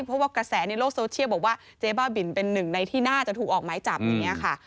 เพราะว่ากระแสในโลกโซเชียลบอกว่าเจ๊บ้าบินเป็นหนึ่งในที่น่าจะถูกออกหมายจับอย่างนี้ค่ะ